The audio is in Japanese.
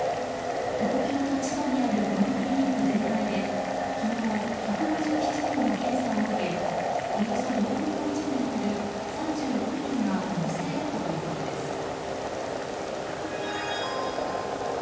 東京と千葉にあるこのクリニック全体で昨日、１５７人が検査を受けおよそ４分の１に当たる３６人が陽性だったということです。